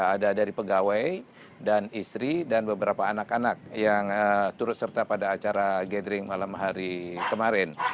ada dari pegawai dan istri dan beberapa anak anak yang turut serta pada acara gathering malam hari kemarin